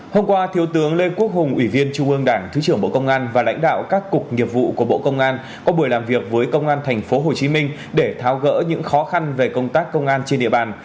hôm qua thiếu tướng lê quốc hùng ủy viên trung ương đảng thứ trưởng bộ công an và lãnh đạo các cục nghiệp vụ của bộ công an có buổi làm việc với công an tp hcm để tháo gỡ những khó khăn về công tác công an trên địa bàn